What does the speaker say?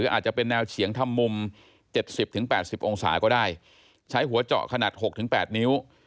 อาจจะเป็นแนวเฉียงทำมุม๗๐๘๐องศาก็ได้ใช้หัวเจาะขนาด๖๘นิ้ว